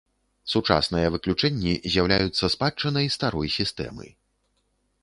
Сучасныя выключэнні з'яўляюцца спадчынай старой сістэмы.